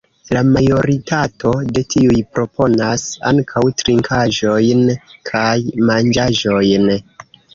La majoritato de tiuj proponas ankaŭ trinkaĵojn kaj manĝaĵojn.